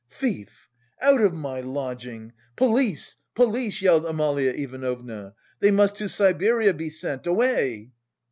"Thief! Out of my lodging. Police, police!" yelled Amalia Ivanovna. "They must to Siberia be sent! Away!"